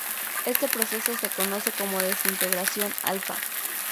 Este proceso se conoce como desintegración alfa.